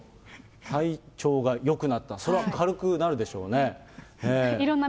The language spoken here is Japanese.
体調がよくなった、そりゃ、軽くなるでしょうね。